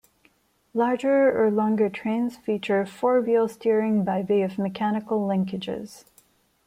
Larger or longer trains feature four-wheel steering by way of mechanical linkages.